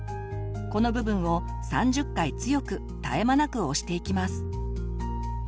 この部分を３０回強く絶え間なく押していきます。